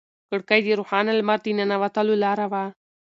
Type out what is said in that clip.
کړکۍ د روښانه لمر د ننوتلو لاره وه.